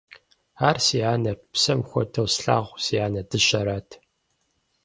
Ар си анэрт, псэм хуэдэу слъагъу си анэ дыщэрат.